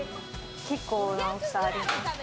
結構な大きさがあります。